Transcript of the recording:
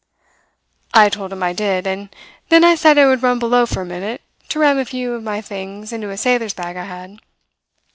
"I told him I did. And then I said I would run below for a minute, to ram a few of my things into a sailor's bag I had.